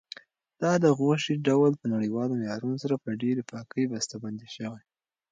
دا د غوښې ډول په نړیوالو معیارونو سره په ډېرې پاکۍ بسته بندي شوی.